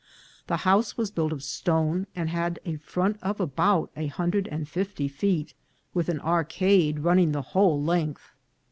The house was built of stone, and had a front of about one hundred and fifty feet, with an arcade running the whole length.